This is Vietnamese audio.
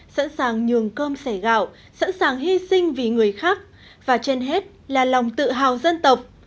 sẵn sàng nhường cơm sẻ gạo sẵn sàng hy sinh vì người khác và trên hết là lòng tự hào dân tộc